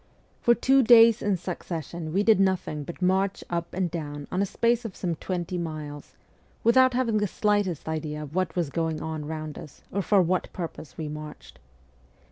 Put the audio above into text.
For two days in succession we did nothing but march up and down on a space of some twenty miles, without having the slightest idea of what was going on round us or for what purpose we were marched.